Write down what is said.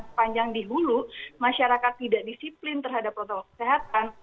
sepanjang dihulu masyarakat tidak disiplin terhadap protokol kesehatan